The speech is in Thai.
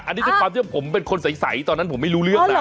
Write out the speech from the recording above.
อันนี้ด้วยความที่ผมเป็นคนใสตอนนั้นผมไม่รู้เรื่องนะ